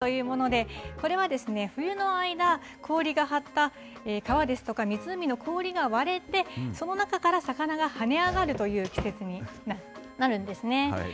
うおこおりをいずるというもので、これは冬の間、氷が張った川ですとか、湖の氷が割れて、その中から魚が跳ね上がるという季節になるんですね。